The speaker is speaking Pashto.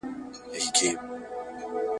خو ملاتړ یې ځکه کوم چي ,